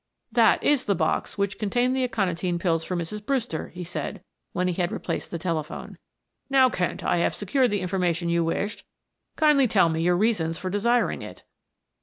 "That is the box which contained the aconitine pills for Mrs. Brewster," he said, when he had replaced the telephone. "Now, Kent, I have secured the information you wished; kindly tell me your reasons for desiring it."